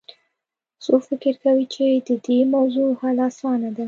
څوک فکر کوي چې د دې موضوع حل اسانه ده